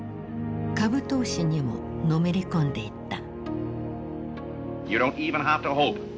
株投資にものめり込んでいった。